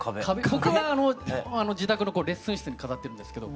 僕は自宅のレッスン室に飾ってるんですけど。